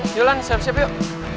yolang siap siap yuk